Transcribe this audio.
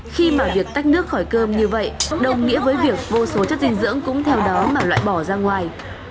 khi mà việc tách nước khỏi cơm như vậy đồng nghĩa với việc vô số chất dinh dưỡng cũng theo đó mà loại bỏ ra ngoài